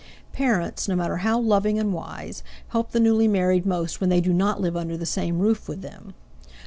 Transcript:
Parents, no matter how loving and wise, help the newly married most when they do not live under the same roof with them.